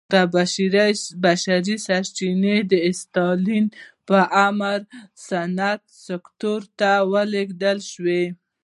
دا بشري سرچینې د ستالین په امر صنعت سکتور ته ولېږدول شوې